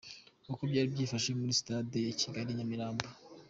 Uko byari byifashe muri Stade ya Kigali i Nyamirambo.